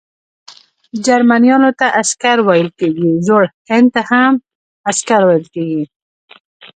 جرمنیانو ته عسکر ویل کیږي، زوړ هن ته هم عسکر وايي.